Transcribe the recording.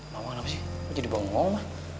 mamang apa sih kamu jadi bongong mah